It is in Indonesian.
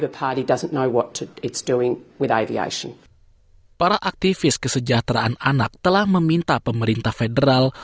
para aktivis kesejahteraan anak telah meminta pemerintah federal